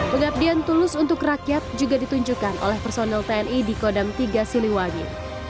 pengabdian tulus untuk rakyat juga ditunjukkan oleh personil tni di kodam tiga siliwangi